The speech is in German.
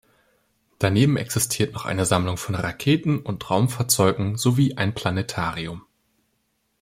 Daneben existiert noch eine Sammlung von Raketen und Raumfahrzeugen sowie ein Planetarium.